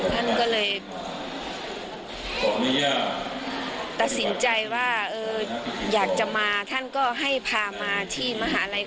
ท่านก็เลยตัดสินใจว่าอยากจะมาท่านก็ให้พามาที่มหาลัย